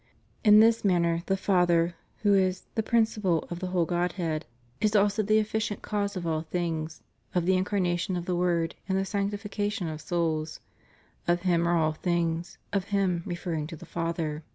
' In this manner the Father, who is "the principal of the whole Godhead," * is also the efficient cause of all things, of the Incarnation of the Word, and the sanctification of souls; "of Him are all things," of Him referring to the Father.